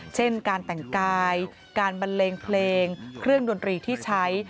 เช่นการแต่งกายการบันเลงเพลงเครื่องดนตรีที่ใช้